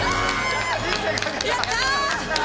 やった！